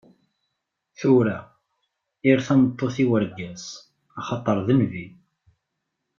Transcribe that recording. Tura, err tameṭṭut i wergaz, axaṭer d nnbi.